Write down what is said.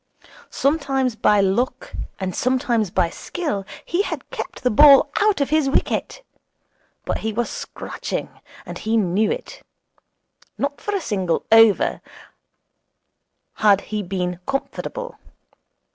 Sometimes by luck, and sometimes by skill, he had kept the ball out of his wicket; but he was scratching, and he knew it. Not for a single over had he been comfortable.